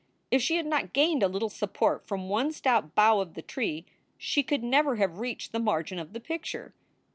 If she had not gained a little support from one stout bough of the tree she could never have reached the margin of the picture.